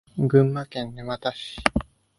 群馬県沼田市